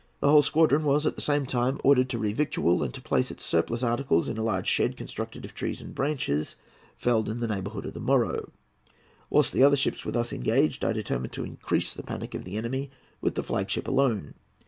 The whole squadron was at the same time ordered to re victual, and to place its surplus articles in a large shed constructed of trees and branches felled in the neighbourhood of the Moro. Whilst the other ships were thus engaged, I determined to increase the panic of the enemy with the flag ship alone.